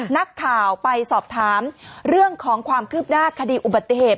นักข่าวไปสอบถามเรื่องของความคืบหน้าคดีอุบัติเหตุ